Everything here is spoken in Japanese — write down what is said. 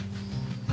何？